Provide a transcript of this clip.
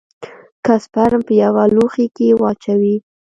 که سپرم په يوه لوښي کښې واچوې.